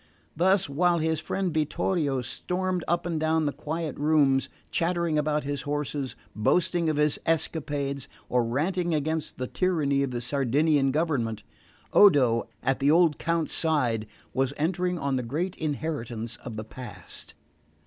Thus, while his friend Vittorio stormed up and down the quiet rooms, chattering about his horses, boasting of his escapades, or ranting against the tyranny of the Sardinian government, Odo, at the old Count's side, was entering on the great inheritance of the past.